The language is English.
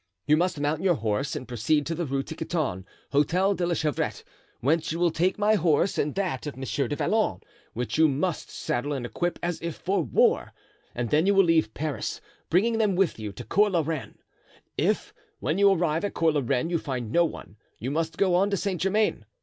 You must mount your horse and proceed to the Rue Tiquetonne, Hotel de la Chevrette, whence you will take my horse and that of Monsieur du Vallon, which you must saddle and equip as if for war, and then you will leave Paris, bringing them with you to Cours la Reine. If, when you arrive at Cours la Reine, you find no one, you must go on to Saint Germain.